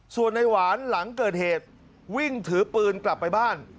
ส่วนในหวานหลังเกิดเหตุวิ่งถือปืนกลับไปบ้าน